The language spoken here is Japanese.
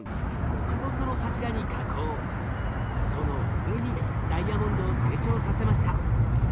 その上にダイヤモンドを成長させました。